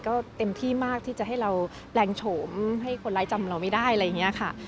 ก็เต็มที่มากที่จะให้เราแปลงโฉมให้คนร้ายจำเราไม่ได้อะไรอย่างนี้ค่ะ